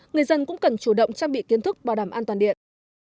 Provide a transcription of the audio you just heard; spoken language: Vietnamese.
người dân cũng cần chủ động trang bị kiến thức bảo đảm an toàn điện